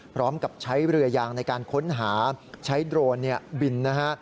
พร้อมกับใช้เรือยางในการค้นหาใช้โดรนบินนะฮะ